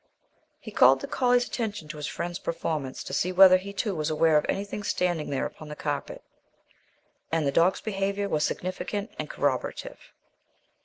He called the collie's attention to his friend's performance to see whether he too was aware of anything standing there upon the carpet, and the dog's behaviour was significant and corroborative.